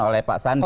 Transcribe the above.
oleh pak sandi